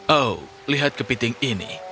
oh lihat kepiting ini